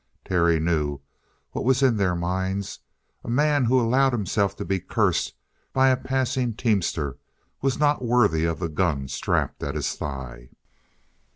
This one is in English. Terry knew what was in their minds. A man who allowed himself to be cursed by a passing teamster was not worthy of the gun strapped at his thigh.